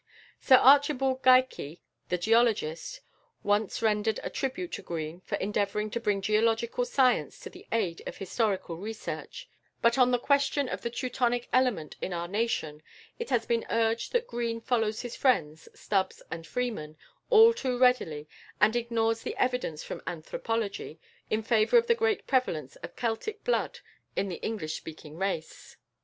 Sir Archibald Geikie, the geologist, once rendered a tribute to Green for endeavouring to bring geological science to the aid of historical research; but on the question of the Teutonic element in our nation, it has been urged that Green follows his friends, Stubbs and Freeman, all too readily, and ignores the evidence from anthropology in favour of the very great prevalence of Celtic blood in the English speaking race.